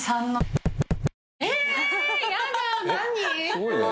すごいね。